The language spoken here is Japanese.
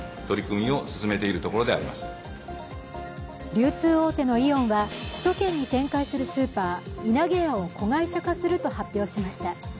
流通大手のイオンは首都圏に展開するスーパー、いなげやを子会社化すると発表しました。